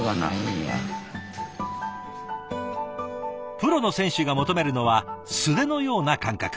プロの選手が求めるのは素手のような感覚。